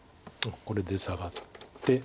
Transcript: これでサガって。